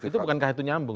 itu bukankah itu nyambung